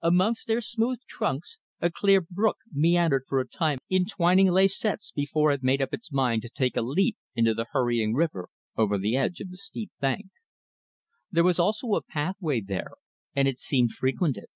Amongst their smooth trunks a clear brook meandered for a time in twining lacets before it made up its mind to take a leap into the hurrying river, over the edge of the steep bank. There was also a pathway there and it seemed frequented.